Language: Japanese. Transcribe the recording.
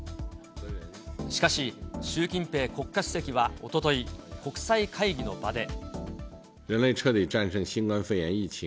しかし、習近平国家主席はおととい、国際会議の場で。